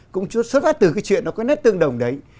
cũng xuất phát từ cái chuyện nó có nét tương đồng đấy